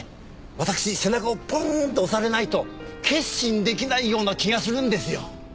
私背中をポンッと押されないと決心出来ないような気がするんですよ。